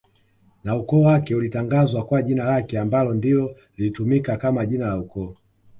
na ukoo wake ulitangazwa kwa jina lake anbalo ndilo lilitumika kama jina la ukoo